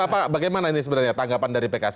bagaimana ini sebenarnya tanggapan dari pks